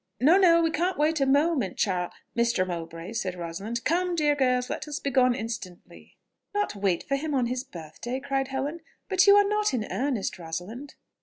"No, no, we can't wait a moment, Char.... Mr. Mowbray " said Rosalind. "Come, dear girls, let us be gone instantly." "Not wait for him on his birthday!" cried Helen. "But you are not in earnest, Rosalind?"